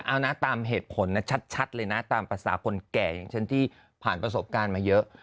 เอานะตามเหตุผลนะชัดเลยนะตามภาษาคนแก่อย่างฉันที่ผ่านประสบการณ์มาเยอะ